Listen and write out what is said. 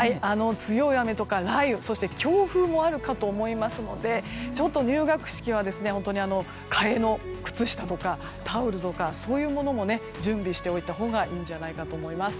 強い雨とか雷雨、そして強風もあるかと思いますのでちょっと入学式は替えの靴下とかタオルとか、そういうものも準備しておいたほうがいいと思います。